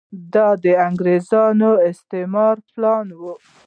دا د انګریزانو استعماري پلان و.